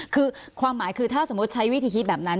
คือความหมายคือถ้าสมมุติใช้วิธีคิดแบบนั้น